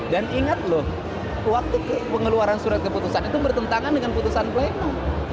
dan ingat loh waktu pengeluaran surat keputusan itu bertentangan dengan putusan pleno